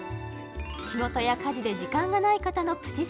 仕事や家事で時間がない方のプチ